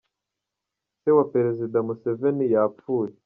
Se wa Perezida Museveni yapfuye